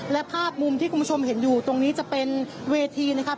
และภาพมุมที่คุณผู้ชมเห็นอยู่ตรงนี้จะเป็นเวทีนะครับ